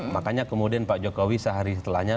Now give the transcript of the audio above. makanya kemudian pak jokowi sehari setelahnya